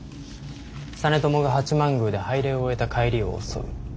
実朝が八幡宮で拝礼を終えた帰りを襲う。